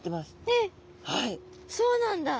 えっそうなんだ。